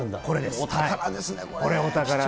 お宝ですね。